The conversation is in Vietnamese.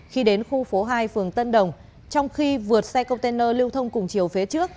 khi đến khu phố hai phường tân đồng trong khi vượt xe container lưu thông cùng chiều phía trước